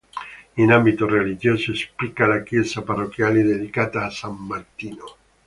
In ambito religioso spicca la chiesa parrocchiale, dedicata a San Martino.